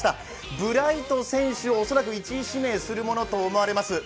ブライト選手を１位指名するものとみられています。